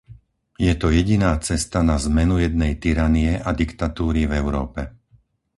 Je to jediná cesta na zmenu jednej tyranie a diktatúry v Európe.